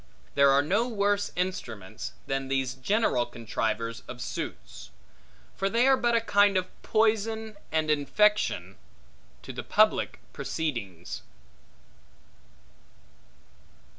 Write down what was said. There are no worse instruments, than these general contrivers of suits; for they are but a kind of poison, and infection, to public proceedings.